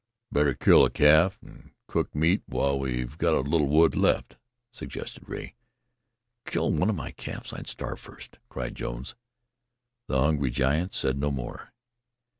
"Better kill a calf, an' cook meat while we've got little wood left," suggested Rea. "Kill one of my calves? I'd starve first!" cried Jones. The hungry giant said no more.